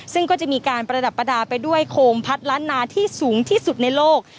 ซึ่งก็จะมีการประดับประดาษไปด้วยโคมพัดล้านนาที่สูงที่สุดในโลก